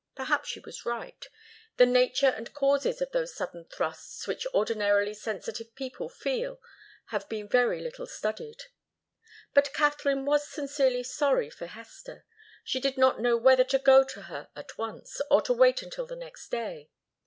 Perhaps she was right. The nature and causes of those sudden thrusts which ordinarily sensitive people feel have been very little studied. But Katharine was sincerely sorry for Hester. She did not know whether to go to her at once, or to wait until the next day.